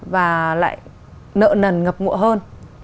và lại nợ nần ngập ngụa hơn